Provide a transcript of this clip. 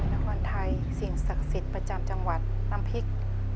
นครไทยสิ่งศักดิ์สิทธิ์ประจำจังหวัดน้ำพริก